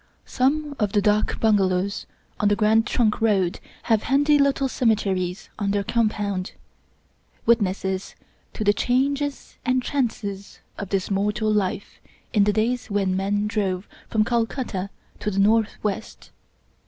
Some of the dak bungalows on the Grand Trunk Road have handy little cemeteries in their compound — ^witnesses to the " changes and chances of this mortal life " in the days when men drove from Calcutta to the Northwest.